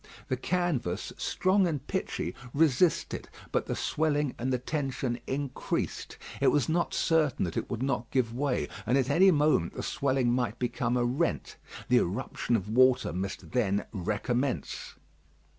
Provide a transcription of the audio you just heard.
The canvas, strong and pitchy, resisted; but the swelling and the tension increased; it was not certain that it would not give way, and at any moment the swelling might become a rent. The irruption of water must then recommence.